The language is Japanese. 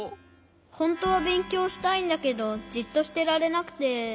ほんとはべんきょうしたいんだけどじっとしてられなくて。